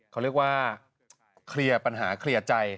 เขาเรียกว่าเคลียร์ปัญหาเคลียร์ใจ